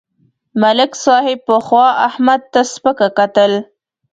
ملک صاحب پخوا احمد ته سپکه کتل.